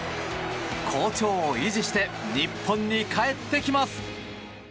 好調を維持して日本に帰ってきます。